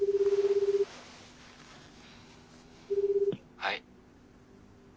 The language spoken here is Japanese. はい。